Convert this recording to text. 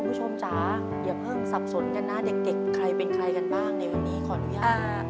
คุณผู้ชมจ๋าอย่าเพิ่งสับสนกันนะเด็กใครเป็นใครกันบ้างในวันนี้ขออนุญาต